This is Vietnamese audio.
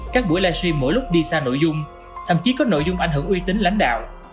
các buổi livestream mỗi lúc đi xa nội dung thậm chí có nội dung ảnh hưởng uy tín lãnh đạo